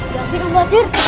yakin dong basir